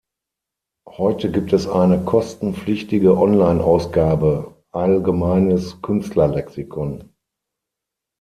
Heute gibt es eine kostenpflichtige Online-Ausgabe "Allgemeines Künstlerlexikon.